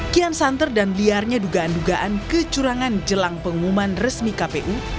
kian santer dan liarnya dugaan dugaan kecurangan jelang pengumuman resmi kpu